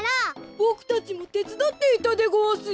ボクたちもてつだっていたでごわすよ。